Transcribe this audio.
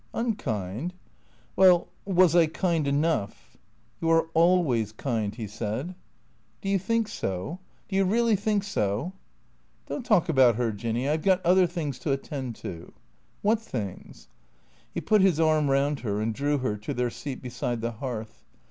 " "Unkind?" " Well, was I kind enough ?"" You are always kind," he said. " Do you think so ? Do you really think so ?"" Don't talk about her, Jinny, I 've got other things to attend to." "What things?" He put his arm round her and drew her to their seat beside the hearth.